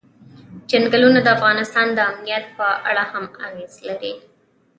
چنګلونه د افغانستان د امنیت په اړه هم اغېز لري.